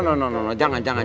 jangan jangan jangan